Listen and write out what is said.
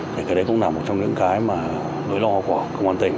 thì cái đấy cũng là một trong những cái mà nỗi lo của công an tỉnh